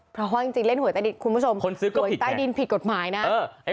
เพราะว่าจริงเล่นหวยใต้ดินคุณผู้ชมคนซื้อหวยใต้ดินผิดกฎหมายนะ